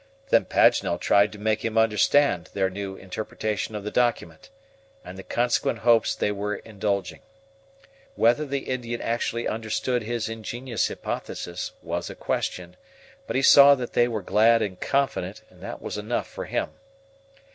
Then Paganel tried to make him understand their new interpretation of the document, and the consequent hopes they were indulging. Whether the Indian actually understood his ingenious hypothesis was a question; but he saw that they were glad and confident, and that was enough for him.